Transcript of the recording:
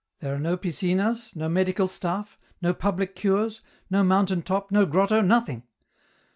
There are no piscinas, no medical staff, no public cures, no mountain top, no grotto, nothing.